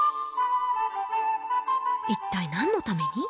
一体何のために？